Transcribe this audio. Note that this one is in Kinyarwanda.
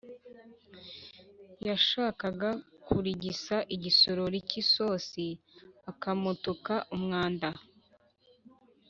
yashakaga kurigisa igisorori cy'isosi akamutuka umwanda.